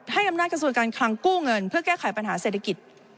ให้อำนาจกระทรวงการคลังกู้เงินเพื่อแก้ไขปัญหาเศรษฐกิจ